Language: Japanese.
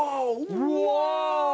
うわ！